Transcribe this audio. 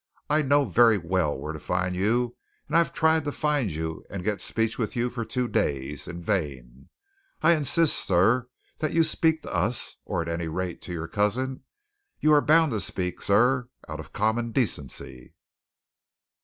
"I know very well where to find you, and I have tried to find you and to get speech with you for two days in vain. I insist, sir, that you speak to us or at any rate to your cousin you are bound to speak, sir, out of common decency!"